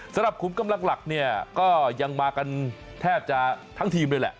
ขุมกำลังหลักเนี่ยก็ยังมากันแทบจะทั้งทีมเลยแหละ